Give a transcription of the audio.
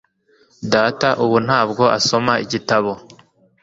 Data ubu ntabwo asoma igitabo.